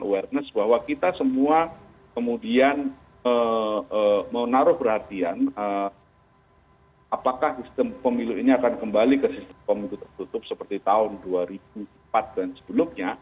awareness bahwa kita semua kemudian menaruh perhatian apakah sistem pemilu ini akan kembali ke sistem pemilu tertutup seperti tahun dua ribu empat dan sebelumnya